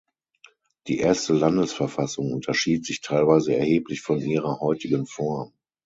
Die erste Landesverfassung unterschied sich teilweise erheblich von ihrer heutigen Form.